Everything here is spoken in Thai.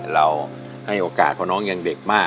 เราให้โอกาสเพราะน้องยังเด็กมาก